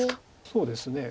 そうですね。